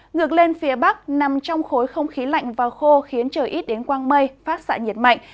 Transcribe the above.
ngược lên phía bắc nằm trong khối không khí lạnh và khô khiến trời ít đến quang mây phát xạ nhiệt mạnh